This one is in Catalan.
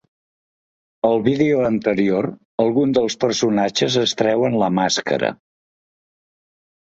Al vídeo anterior alguns dels personatges es treuen la màscara.